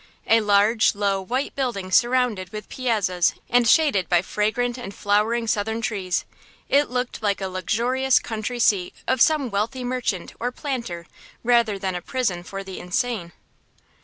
A large, low, white building surrounded with piazzas and shaded by fragrant and flowering southern trees, it looked like the luxurious country seat of some wealthy merchant or planter rather than a prison for the insane.